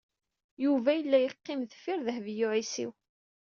Yuba yella yeqqim deffir Dehbiya u Ɛisiw.